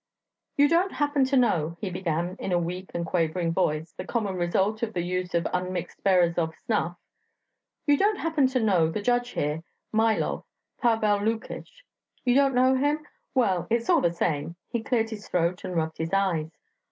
"You don't happen to know," he began in a weak and quavering voice (the common result of the use of unmixed Berezov snuff); "you don't happen to know the judge here, Mylov, Pavel Lukich?... You don't know him?... Well, it's all the same." (He cleared his throat and rubbed his eyes.)